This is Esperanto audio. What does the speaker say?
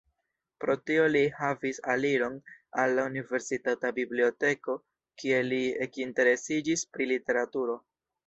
Pro tio li havis aliron al la universitata biblioteko kie li ekinteresiĝis pri literaturo.